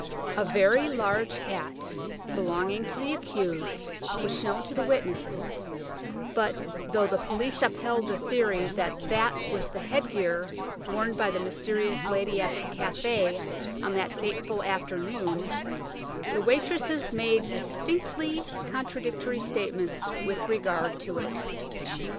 A very large hat belonging to the accused was shown to the witnesses, but, though the police upheld the theory that that was the headgear worn by the mysterious lady at the café on that fateful afternoon, the waitresses made distinctly contradictory statements with regard to it.